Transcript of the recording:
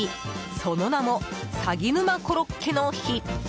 その名も、さぎ沼コロッケの日。